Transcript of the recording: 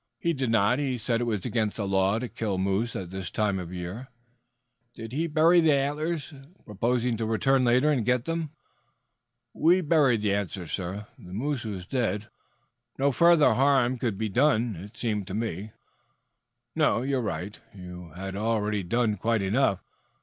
"He did not. He said it was against the law to kill moose at this time of the year." "Did he bury the antlers, proposing to return later and get them?" "We buried the antlers, sir. The moose was dead. No further harm could be done, it seemed to me." "No, you are right. You had already done quite enough.